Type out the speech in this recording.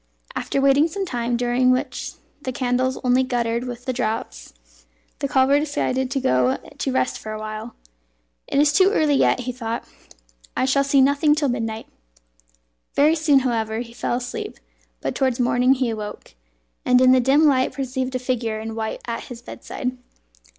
After waiting some time, during which the candles only guttered with the draughts, the cobbler decided to go to rest for a while. "It is too early yet," he thought; "I shall see nothing till midnight." Very soon, however, he fell asleep; but towards morning he awoke, and in the dim light perceived a figure in white at his bedside.